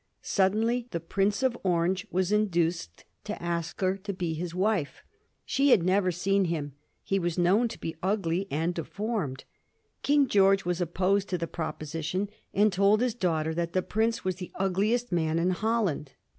Suddenly the Prince of Orange was induced to ask her to be his wife. She had never seen him; he was known to be ugly and deformed; King George was opposed to the proposition, and told his daughter that the prince was the ugliest man in Holland.